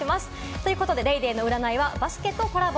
ということで『ＤａｙＤａｙ．』の占いはバスケとコラボ。